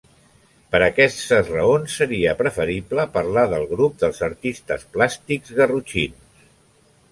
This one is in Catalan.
Per aquestes raons seria preferible parlar del grup dels artistes plàstics garrotxins.